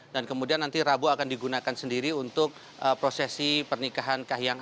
dan kemudian nanti rabu akan digunakan sendiri untuk prosesi pernikahan kahyang